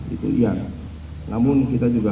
itu iya namun kita juga